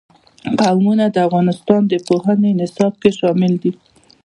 قومونه د افغانستان د پوهنې نصاب کې شامل دي.